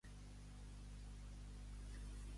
Em diuen John Heritage.